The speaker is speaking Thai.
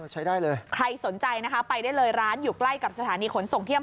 ใช้ได้เลยใครสนใจนะคะไปได้เลยร้านอยู่ใกล้กับสถานีขนส่งเที่ยว